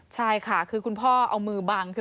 ใช่ค่ะคือคุณพ่อเอามือบังคือ